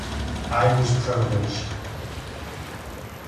I was privileged.